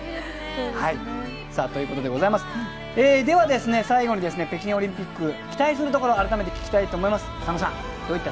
では、最後に北京オリンピック期待するところ改めて聞きたいと思います。